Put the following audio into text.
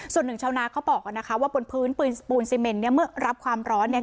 ส่วนหนึ่งชาวนาเขาบอกนะคะว่าบนพื้นปืนปูนซีเมนเนี่ยเมื่อรับความร้อนเนี่ย